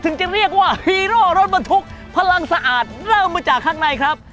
จะเรียกว่าฮีโร่รถบรรทุกพลังสะอาดเริ่มมาจากข้างในครับ